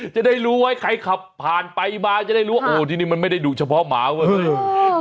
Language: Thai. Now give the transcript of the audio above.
จะได้รู้ว่าใครขับผ่านไปมาจะได้รู้ว่าโอ้ที่นี่มันไม่ได้ดูเฉพาะหมาเว้ย